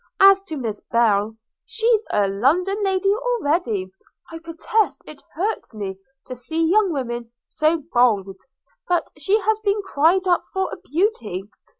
As to Miss Belle – she's a London lady already: I protest it hurts me to see young women so bold – but she has been cried up for a beauty.'